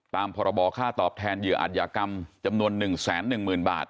ตามพรบค่าตอบแทนเหยื่ออัดยากรรมจำนวน๑แสน๑หมื่นบาท